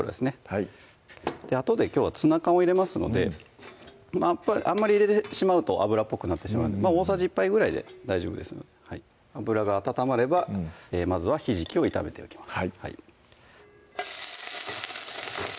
はいあとできょうはツナ缶を入れますのであんまり入れてしまうと油っぽくなってしまうので大さじ１杯ぐらいで大丈夫ですので油が温まればまずはひじきを炒めていきます